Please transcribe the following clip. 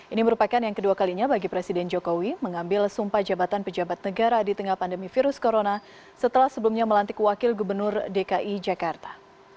ini merupakan yang kedua kalinya bagi presiden jokowi mengambil sumpah jabatan pejabat negara di tengah pandemi virus corona setelah sebelumnya melantik wakil gubernur dki jakarta